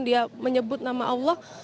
dia menyebut nama allah